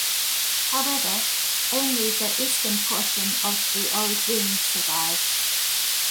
However, only the eastern portion of the old rim survives.